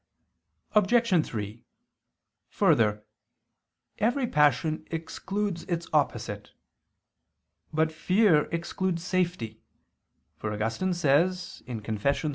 Obj. 3: Further, every passion excludes its opposite. But fear excludes safety; for Augustine says (Confess.